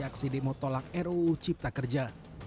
aksi demo tolak ruu cipta kerja